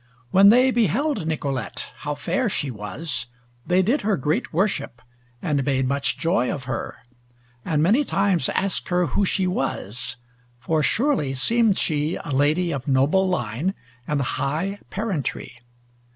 When they beheld Nicolete, how fair she was, they did her great worship, and made much joy of her, and many times asked her who she was, for surely seemed she a lady of noble line and high parentry.